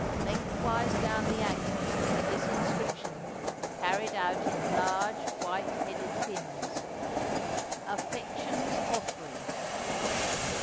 Lengthwise down the anchor was this inscription, carried out in large white headed pins, "AFFECTION'S OFFERING."